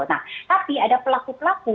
nah tapi ada pelaku pelaku